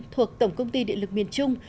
thuộc tổng công ty điện lực miền trung